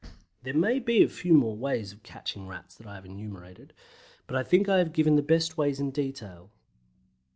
There may be a few more ways of catching Rats than I have enumerated, but I think I have given the best ways in detail.